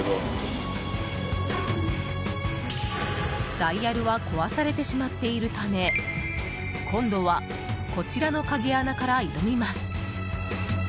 ダイヤルは壊されてしまっているため今度はこちらの鍵穴から挑みます。